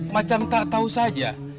macam tak tahu saja